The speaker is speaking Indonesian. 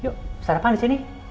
yuk sarapan di sini